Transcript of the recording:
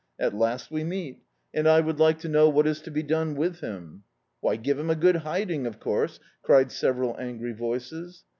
At last we meet, and I would like to know what is to be done with him." "Why, give him a good hiding, of course," cried several angry voices.